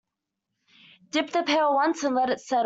Dip the pail once and let it settle.